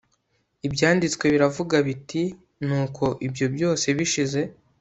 ibyanditswe biravuga biti nuko ibyo byose bishize